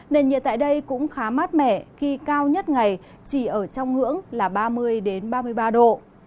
nền nhiệt tại đây cũng khá mát mẻ khi cao nhất ngày chỉ ở trong ngưỡng là ba mươi ba mươi ba độ